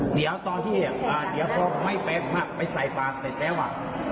เดี๋ยวท่อที่อะเดี๋ยวพอไม่ฟาสมักไปใส่ปากเสร็จแล้วอะ